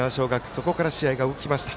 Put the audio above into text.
そこから試合が動きました。